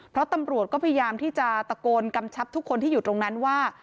เพราะตำรวจก็พยายามที่จะตะโกนกำชับทุกคนที่อยู่ตรงนั้นว่า